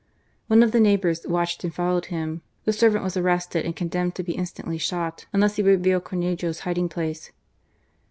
One of the neighbours watched and followed him; the servant was arrested and con demned to be instantly shot unless he would reveal Cornejo's hiding place.